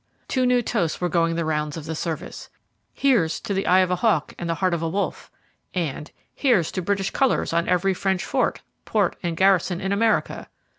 Two new toasts were going the rounds of the Service: 'Here's to the eye of a Hawke and the heart of a Wolfe!' and 'Here's to British colours on every French fort, port, and garrison in America!'